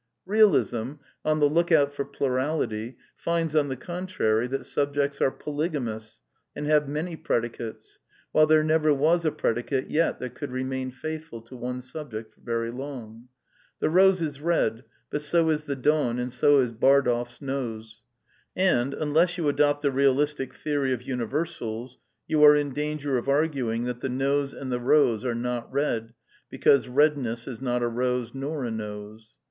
Bealism, on the look out for plurality, finds, on the contrary, that subjects are polygamous and have many predicates, while there never was a predicate yet that could remain faithful to one sub ject for very long. The rose is red ; but so is the dawn and « 80 is Bardolph's nose. And, unless you adopt the realistio''* j^ theory of universals, you are in danger of arguing that the nose and the rose are not red, because redness is not a rose nor a nose.